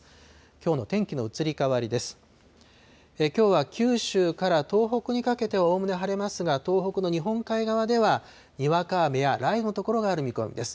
きょうは九州から東北にかけておおむね晴れますが、東北の日本海側では、にわか雨や雷雨の所がある見込みです。